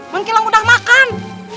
mangkilang udah makan